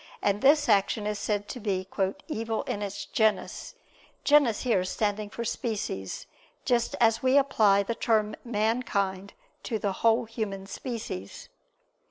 And this action is said to be "evil in its genus," genus here standing for species, just as we apply the term "mankind" to the whole human species.